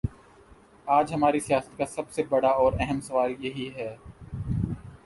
آج ہماری سیاست کا سب سے بڑا اور اہم سوال یہی ہے؟